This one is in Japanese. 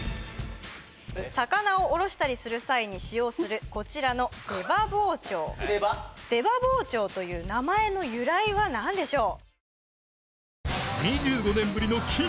魚をおろしたりする際に使用するこちらの出刃包丁出刃包丁という名前の由来は何でしょう？